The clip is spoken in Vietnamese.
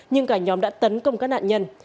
nhưng cả nhóm đã tấn công các nạn nhân